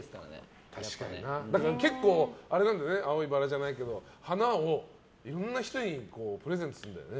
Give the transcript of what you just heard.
結構、青いバラじゃないけど花をいろんな人にプレゼントするんだね。